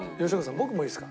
僕もいいですか？